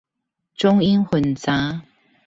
中英混雜